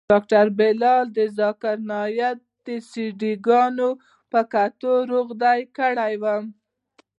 ډاکتر بلال د ذاکر نايک د سي ډي ګانو په کتلو روږدى کړى وم.